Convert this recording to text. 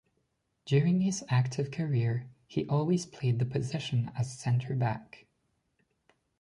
During his active career, he always played the position as centre back.